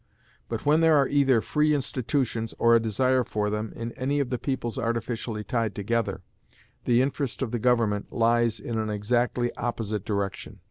But when there are either free institutions, or a desire for them, in any of the peoples artificially tied together, the interest of the government lies in an exactly opposite direction.